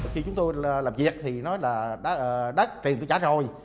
khi chúng tôi làm việc thì nói là đắt tiền tôi trả rồi